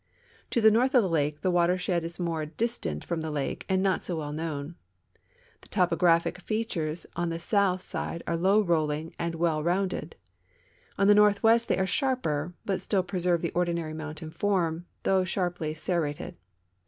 To the north of the lake the Avatershed is more distant from the lake and not so well known. The topo graphic features on the south side are low rolling and well rounded. On the northw^est they are sharper, but still preserve the ordinary mountain form, though sharply serrated.